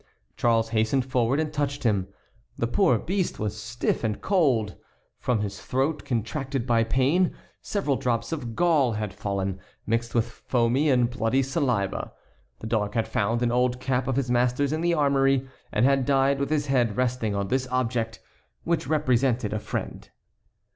Charles hastened forward and touched him; the poor beast was stiff and cold. From his throat, contracted by pain, several drops of gall had fallen, mixed with foamy and bloody saliva. The dog had found an old cap of his master's in the armory, and had died with his head resting on this object, which represented a friend.